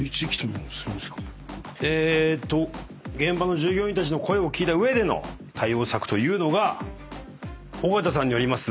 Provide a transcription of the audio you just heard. えーっと現場の従業員たちの声を聞いた上での対応策というのが尾形さんによります